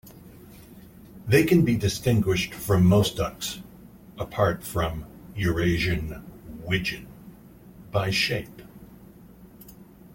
They can be distinguished from most ducks, apart from Eurasian wigeon, by shape.